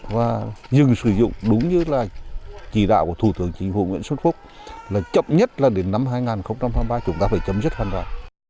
và dừng sử dụng đúng như là chỉ đạo của thủ tướng chính phủ nguyễn xuân phúc là chậm nhất là đến năm hai nghìn hai mươi ba chúng ta phải chấm dứt hoàn toàn